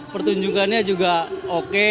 pertunjukannya juga ok